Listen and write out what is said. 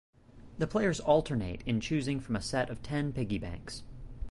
The players alternate in choosing from a set of ten piggy banks.